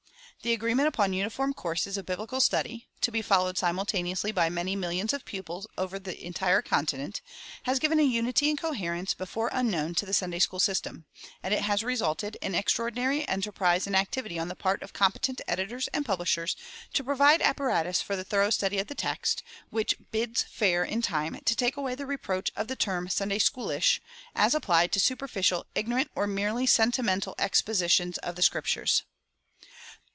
The agreement upon uniform courses of biblical study, to be followed simultaneously by many millions of pupils over the entire continent, has given a unity and coherence before unknown to the Sunday school system; and it has resulted in extraordinary enterprise and activity on the part of competent editors and publishers to provide apparatus for the thorough study of the text, which bids fair in time to take away the reproach of the term "Sunday schoolish" as applied to superficial, ignorant, or merely sentimental expositions of the Scriptures.